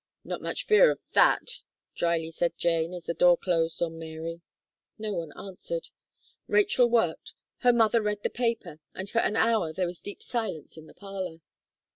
"Not much fear of that," drily said Jane, as the door closed on Mary. No one answered. Rachel worked; her mother read the paper, and for an hour there was deep silence in the parlour.